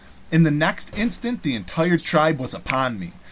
In the next instant the entire tribe was upon me.